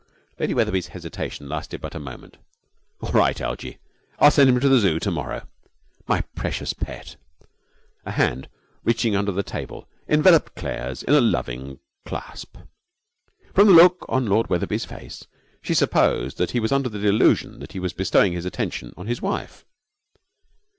Lady Wetherby's hesitation lasted but a moment. 'All right, Algie. I'll send him to the Zoo to morrow.' 'My precious pet!' A hand, reaching under the table, enveloped Claire's in a loving clasp. From the look on Lord Wetherby's face she supposed that he was under the delusion that he was bestowing this attention on his wife.